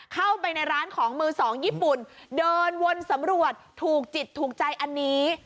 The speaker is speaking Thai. เข้าไปในร้านของมือสองญี่ปุ่นเดินวนสำรวจถูกจิตถูกใจอันนี้